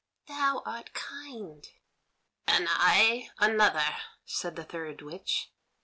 "Thou art kind." "And I another," said the third witch.